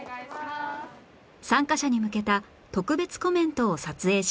参加者に向けた特別コメントを撮影します